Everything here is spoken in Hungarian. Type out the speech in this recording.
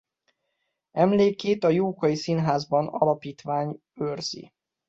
Emlékét a Jókai Színházban alapítvány őrzi.